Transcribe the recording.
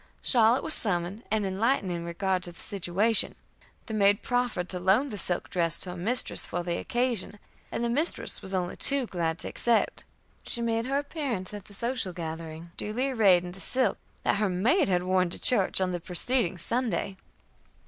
Charlotte was summoned, and enlightened in regard to the situation; the maid proffered to loan the silk dress to her mistress for the occasion, and the mistress was only too glad to accept. She made her appearance at the social gathering, duly arrayed in the silk that her maid had worn to church on the preceding Sunday."